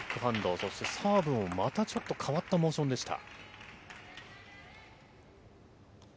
そしてサーブもまたちょっと変わったモーションでした。